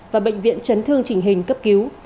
và bệnh viện trấn thương trình hình cấp cứu